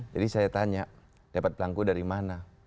jadi saya tanya dapat pelangku dari mana